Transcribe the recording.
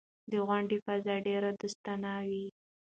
د غونډې فضا ډېره دوستانه وه.